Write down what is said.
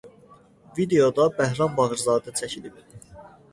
Videoda Bəhram Bağırzadə çəkilib.